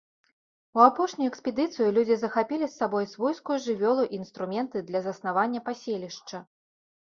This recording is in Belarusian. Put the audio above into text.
У апошнюю экспедыцыю людзі захапілі з сабой свойскую жывёлу і інструменты для заснавання паселішча.